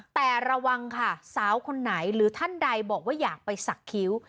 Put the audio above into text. แต่ระวังค่ะสาวคนไหนหรือท่านใดบอกว่าอยากไปสักคิ้ว